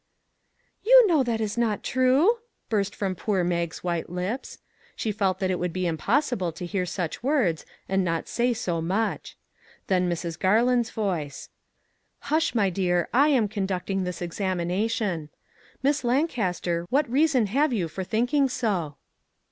" You know that is not true !" burst from poor Mag's white lips. She felt that it would be impossible to hear such words and not say so much. Then Mrs. Garland's voice :" Hush, my dear, I am conducting this ex amination. Miss Lancaster, what reason have you for thinking so